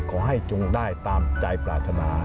ขอให้จงได้ตามใจปรารถนา